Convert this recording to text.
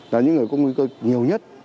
là những người có nguy cơ nhiều nhất